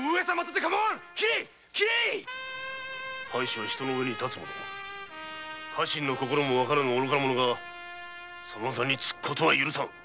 藩主は人の上に立つ者家臣の心も分からぬ愚か者がその座につくことは許さん！